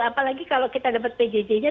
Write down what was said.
apalagi kalau kita dapat pjj nya